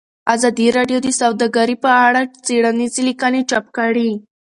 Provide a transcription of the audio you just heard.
ازادي راډیو د سوداګري په اړه څېړنیزې لیکنې چاپ کړي.